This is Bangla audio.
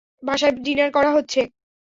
বাসায় ডিনার করা হচ্ছে!